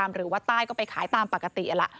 หรือว่าใต้ก็ไปขายตามปกติ